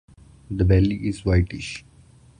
The belly is whitish.